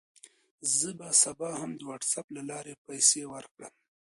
زه به سبا هم د وټساپ له لارې پیسې ورکړم.